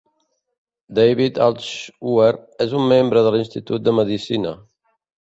David Altshuler és un membre de l'Institut de Medicina.